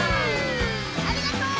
ありがとう！